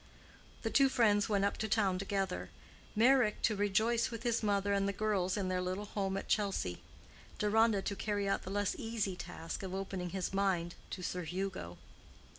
The two friends went up to town together: Meyrick to rejoice with his mother and the girls in their little home at Chelsea; Deronda to carry out the less easy task of opening his mind to Sir Hugo.